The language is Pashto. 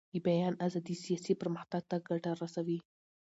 د بیان ازادي سیاسي پرمختګ ته ګټه رسوي